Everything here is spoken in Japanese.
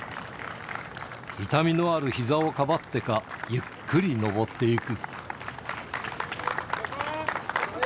痛みのあるひざをかばってか、ゆっくり上ってゆく。